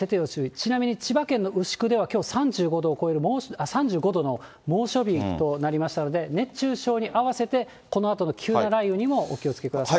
ちなみに千葉県の牛久ではきょう、３５度の猛暑日となりましたので、熱中症に併せて急な雷雨にもお気をつけください。